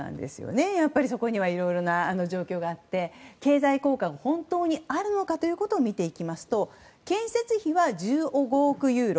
そこにはいろいろな状況があって経済効果が本当にあるのかということを見ていきますと建設費は１５億ユーロ